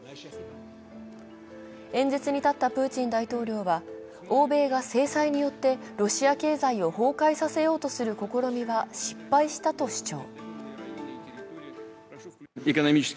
演説に立ったプーチン大統領は、欧米が制裁によってロシア経済を崩壊させようとする試みは失敗したと主張。